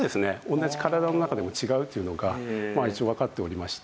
同じ体の中でも違うというのが一応わかっておりまして。